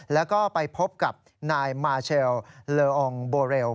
แล้วก็ไปพบกับนายมาเชลเลอองโบเรล